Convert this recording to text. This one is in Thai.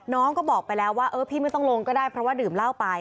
น้องก็บอกไปแล้วว่าเออพี่ไม่ต้องลงก็ได้เพราะว่าดื่มเหล้าไป